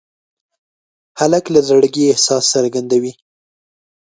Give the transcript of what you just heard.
هلک له زړګي احساس څرګندوي.